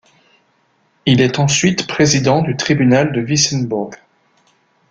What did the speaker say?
Il est ensuite président du tribunal de Wissembourg.